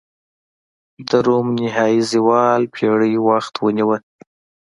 د روم نهايي زوال پېړۍ وخت ونیوه.